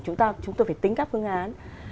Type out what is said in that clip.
chúng ta phải tính các phương án